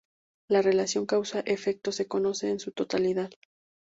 La relación causa-efecto se conoce en su totalidad.